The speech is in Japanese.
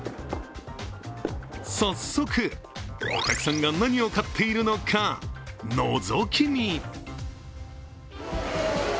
早速、お客さんが何を買っているのか、のぞき見。